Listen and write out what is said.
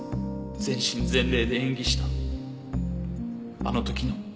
全身全霊で演技したあの時の。